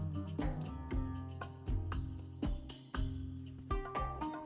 dengan pelompok yang banyak dibuat oleh